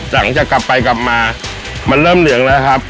หลังจากกลับไปกลับมามันเริ่มเหลืองแล้วครับ